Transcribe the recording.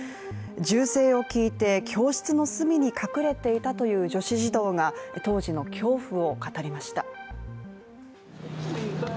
銃声を聞いて教室の隅に隠れていたという女子児童が当時の恐怖を語りました。